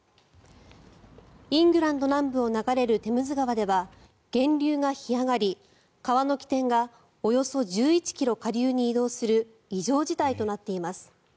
イングランド南部を流れるテムズ川では、源流が干上がり川の起点がおよそ１１ｋｍ下流に移動する異常事態となっています。